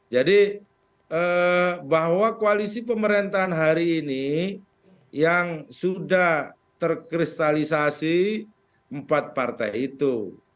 bahwa koalisi pemerintahan hari ini yang sudah terkristalisasi empat partai itu